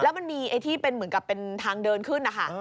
มันมีไอ้ที่เป็นเหมือนกับเป็นทางเดินขึ้นนะคะ